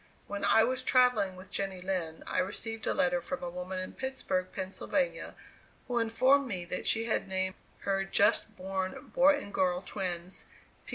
When I was travelling with Jenny Lind, I received a letter from a woman in Pittsburg, Pennsylvania, who informed me that she had named her just born boy and girl twins "P.